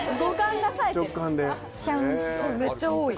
めっちゃ多い。